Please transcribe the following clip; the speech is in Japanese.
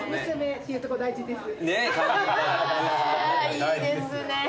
いいですね。